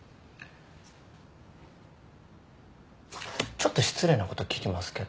ちょっと失礼なこと聞きますけど。